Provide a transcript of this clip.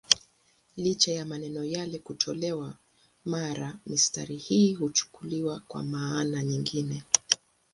Licha ya maneno yale kutolewa, mara mistari hii huchukuliwa kwa maana nyingine.